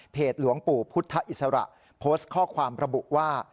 หลวงปู่พุทธอิสระโพสต์ข้อความระบุว่า